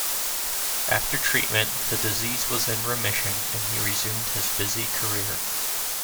After treatment, the disease was in remission and he resumed his busy career.